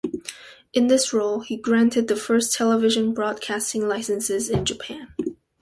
In this role, he granted the first television broadcasting licenses in Japan.